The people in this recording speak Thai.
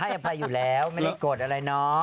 ให้อภัยอยู่แล้วไม่ได้โกรธอะไรน้อง